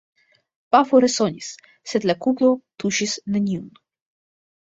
Pafo resonis; sed la kuglo tuŝis neniun.